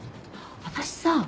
私さ